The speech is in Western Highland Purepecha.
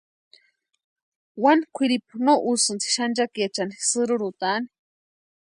Wani kwʼiripu no úsïnti xanchakiechani sïrurhutani.